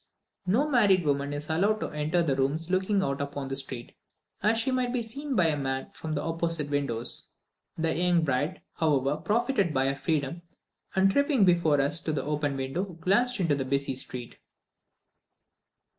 No married woman is allowed to enter the rooms looking out upon the street, as she might be seen by a man from the opposite windows. The young bride, however, profited by her freedom, and tripping before us to the open window, glanced into the busy street.